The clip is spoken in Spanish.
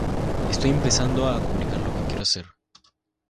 Estoy empezando a comunicar lo que quiero hacer.